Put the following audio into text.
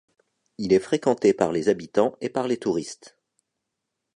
Il est fréquenté par les habitants et par les touristes.